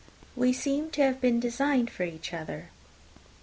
We seem to have been designed for each other."